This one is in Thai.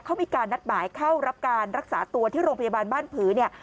เขามีการนัดหมายเข้ารับการรักษาตัวที่โรงพยาบาลบ้านผือเนี่ย